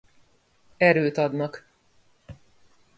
Erőt adnak.